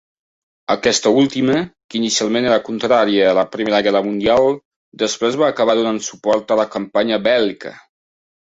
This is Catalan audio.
Aquesta última, que inicialment era contrària a la Primera Guerra Mundial, després va acabar donant suport a la campanya bèl·lica.